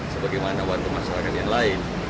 sebagaimana warga masyarakat yang lain